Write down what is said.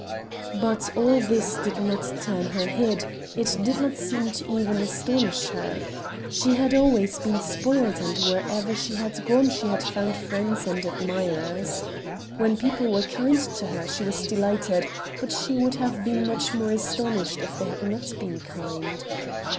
But all this did not turn her head, it did not seem even to astonish her; she had always been spoilt and wherever she had gone she had found friends and admirers. When people were kind to her she was delighted, but she would have been much more astonished if they had not been kind.